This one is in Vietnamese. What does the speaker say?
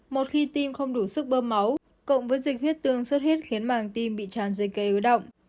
một khi tim không đủ sức bơm máu cộng với dịch huyết tương xuất huyết khiến màng tim bị tràn dây cây ưu động